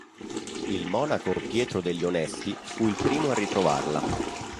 Il monaco Pietro degli Onesti fu il primo a ritrovarla.